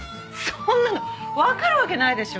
そんなのわかるわけないでしょ。